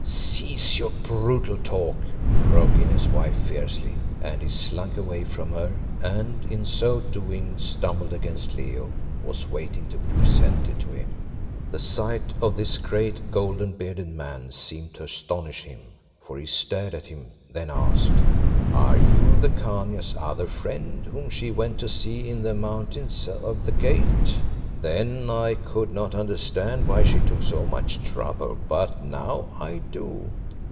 "Cease your brutal talk," broke in his wife fiercely, and he slunk away from her and in so doing stumbled against Leo, who was waiting to be presented to him. The sight of this great, golden bearded man seemed to astonish him, for he stared at him, then asked "Are you the Khania's other friend whom she went to see in the mountains of the Gate? Then I could not understand why she took so much trouble, but now I do.